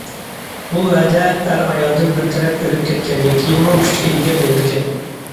بۇ ۋەدە ئەر- ئايالدىن بىر تەرەپ ئۆلۈپ كەتكەندىن كېيىنمۇ كۈچكە ئىگە بولىدىكەن.